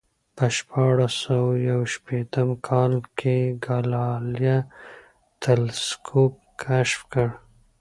په شپاړس سوه یو شپېتم کال کې ګالیله تلسکوپ کشف کړ